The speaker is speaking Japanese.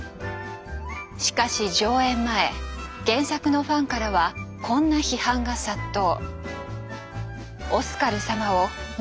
しかし上演前原作のファンからはこんな批判が殺到。